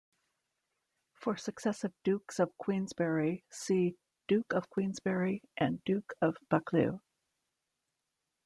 "For successive Dukes of Queensberry see" Duke of Queensberry "and" Duke of Buccleuch.